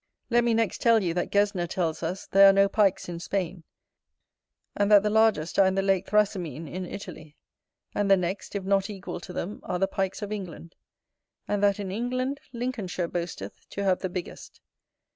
Let me next tell you, that Gesner tells us, there are no Pikes in Spain, and that the largest are in the lake Thrasymene in Italy; and the next, if not equal to them, are the Pikes of England; and that in England, Lincolnshire boasteth to have the biggest.